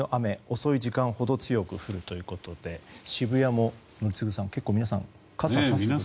遅い時間ほど強く降るということで渋谷も、宜嗣さん結構皆さん傘さしていますね。